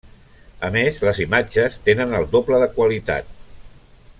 A més les imatges tenen el doble de qualitat.